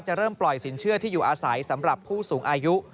เริ่มปล่อยสินเชื่อที่อยู่อาศัยสำหรับผู้สูงอายุ